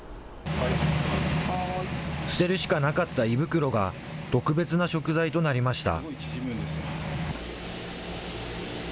捨てるしかなかった胃袋が、特別な食材となりました。